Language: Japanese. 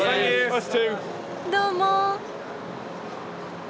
どうも。